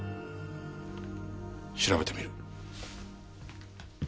調べてみる。